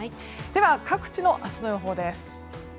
各地の明日の予報です。